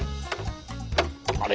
あれ？